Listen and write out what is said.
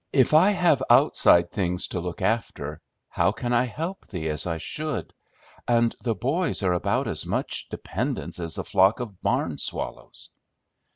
If I have outside things to look after, how can I help thee as I should? And the boys are about as much dependence as a flock of barn swallows!"